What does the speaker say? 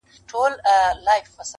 راغی پر نړۍ توپان ګوره چي لا څه کیږي؛